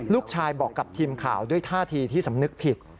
ลูกชายบอกกับทีมข่าวด้วยท่าทีที่สำนึกผิด